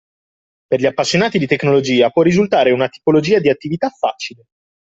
Per gli appassionati di tecnologia può risultare una tipologia di attività facile.